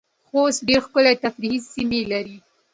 خوست ډیرې ښکلې تفریحې سیمې لرې